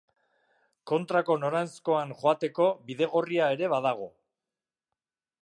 Kontrako noranzkoan joateko bidegorria ere badago.